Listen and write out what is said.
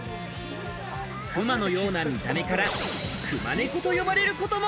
クマのような見た目からクマネコと呼ばれることも。